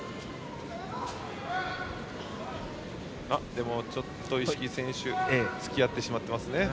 でも、ちょっと一色選手つきあってしまってます。